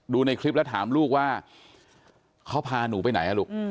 ในคลิปแล้วถามลูกว่าเขาพาหนูไปไหนลูก